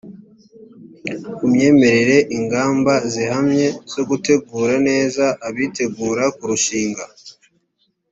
ku myemerere ingamba zihamye zo gutegura neza abitegura kurushing